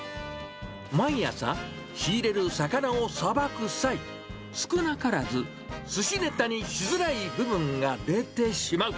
毎朝、仕入れる魚をさばく際、少なからず、すしねたにしづらい部分が出てしまう。